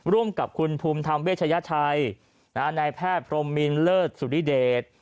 ร่วมกับคุณภูมิธรรมเวชยชัยนายแพทย์พรมมินเลิศสุริเดช